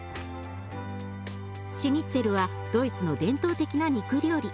シュニッツェルはドイツの伝統的な肉料理。